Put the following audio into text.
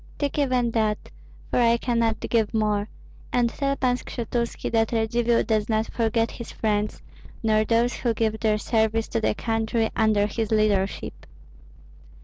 Take even that, for I cannot give more, and tell Pan Skshetuski that Radzivill does not forget his friends, nor those who give their service to the country under his leadership."